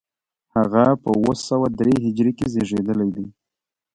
هغه په اوه سوه درې هجري کې زېږېدلی دی.